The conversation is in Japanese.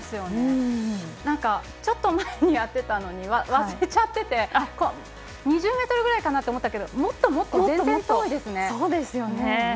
ちょっと前にやってたのに忘れちゃってて２０ｍぐらいかなと思ったけどもっと全然遠いですね。